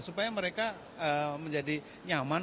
supaya mereka menjadi nyaman